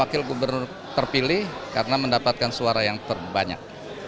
dan wakil gubernur terpilih karena mendapatkan suara yang terbanyak